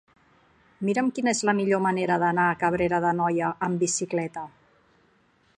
Mira'm quina és la millor manera d'anar a Cabrera d'Anoia amb bicicleta.